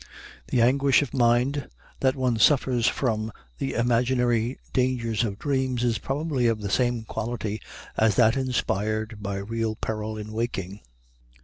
The anguish of mind that one suffers from the imaginary dangers of dreams is probably of the same quality as that inspired by real peril in waking.